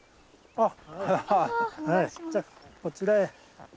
あっ！